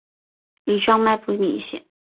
羽状脉不明显。